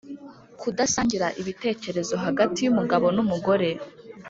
kudasangira ibitekerezo hagati y’umugabo n’umugore